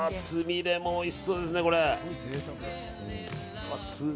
つみれもおいしそうですね！